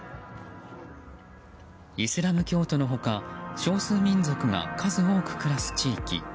イスラム教徒の他少数民族が数多く暮らす地域。